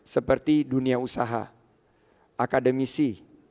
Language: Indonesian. seperti dunia usaha akademisi